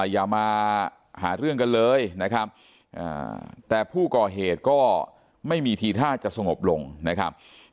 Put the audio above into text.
อย่ามาหาเรื่องกันเลยนะครับแต่ผู้ก่อเหตุก็ไม่มีทีท่าจะสงบลงนะครับ